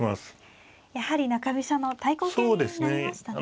やはり中飛車の対抗型になりましたね。